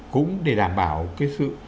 cũng để đảm bảo cái sự